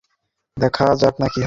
দেখা যাক না কী হয়।